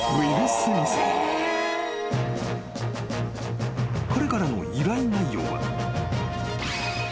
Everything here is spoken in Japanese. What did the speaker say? ［彼からの依頼内容は］